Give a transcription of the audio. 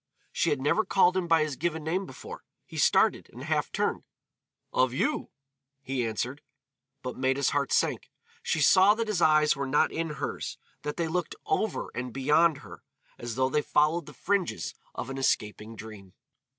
She had never called him by his given name before. He started, and half turned. "Of you," he answered. But Maida's heart sank. She saw that his eyes were not in hers, that they looked over and beyond her, as though they followed the fringes of an escaping dream.